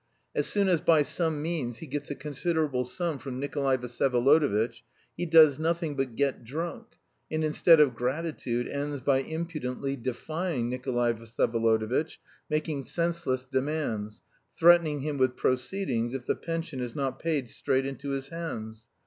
As soon as by some means he gets a considerable sum from Nikolay Vsyevolodovitch, he does nothing but get drunk, and instead of gratitude ends by impudently defying Nikolay Vsyevolodovitch, making senseless demands, threatening him with proceedings if the pension is not paid straight into his hands.